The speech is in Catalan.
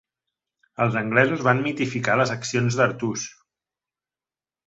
Els anglesos van mitificar les accions d'Artús.